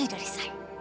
pergi dari sain